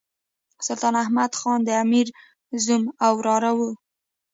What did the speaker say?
سلطان احمد خان د امیر زوم او وراره وو.